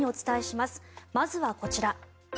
まずはこちら。